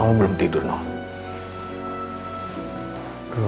kamu belum tidurigilah